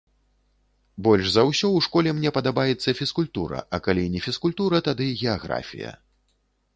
Больш за ўсё ў школе мне падабаецца фізкультура, а калі не фізкультура, тады геаграфія.